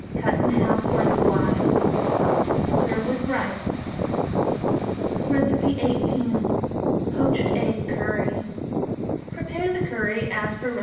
Cut in halves lengthwise. Serve with rice. 18. Poached Egg Curry. Prepare the curry as for No.